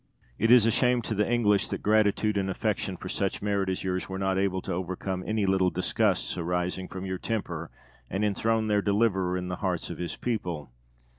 De Witt. It is a shame to the English that gratitude and affection for such merit as yours were not able to overcome any little disgusts arising from your temper, and enthrone their deliverer in the hearts of his people.